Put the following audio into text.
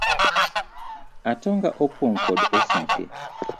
Atong'a opong kod osike .